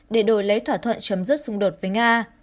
để đổi lấy thỏa thuận chấm dứt xung đột với nga